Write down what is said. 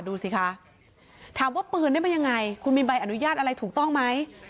ดูสิคะถามว่าปืนได้มายังไงคุณมีใบอนุญาตอะไรถูกต้องไหม